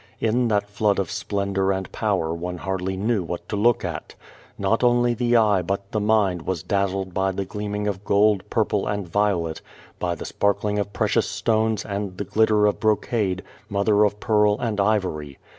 In that flood of splendor and power one hardly knew what to look at. Not only the eye but the mind was dazzled by the gleaming of gold, juirple and violet, by the sparkling of pre cious stones and the glitter of brocade, mother of ])earl and ivory.